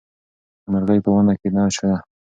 مرغۍ په ونه کې نه شته.